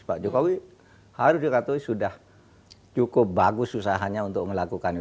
pak jokowi harus dikatakan sudah cukup bagus usahanya untuk melakukan itu